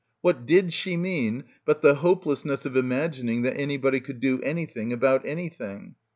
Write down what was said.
What did she mean but the hopelessness of im agining that anybody could do anything about anything.